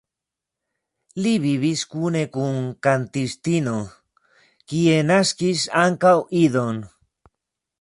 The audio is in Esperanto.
Li vivis kune kun kantistino, kie naskis ankaŭ idon.